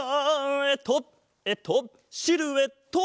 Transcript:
えっとえっとシルエット！